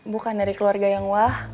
bukan dari keluarga yang wah